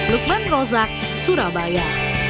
lukman rozak surabaya